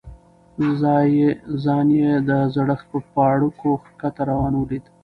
ځان یې د زړښت په پاړکو ښکته روان ولید.